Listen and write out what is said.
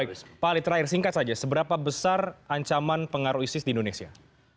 baik pak ali terakhir singkat saja seberapa besar ancaman pengaruh isis di indonesia